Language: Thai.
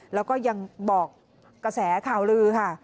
แล้วก็ยังบอกกระแสข่าวลือค่ะ